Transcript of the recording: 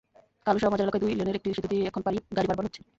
কালুশাহ মাজার এলাকায় দুই লেনের একটি সেতু দিয়েই এখন গাড়ি পারাপার হচ্ছে।